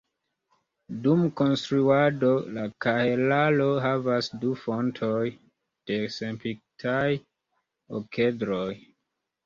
Dum konstruado, la kahelaro havas du fontoj de senpintigitaj okedroj.